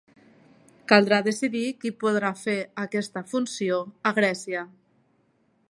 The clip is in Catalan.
Caldrà decidir qui podrà fer aquesta funció a Grècia.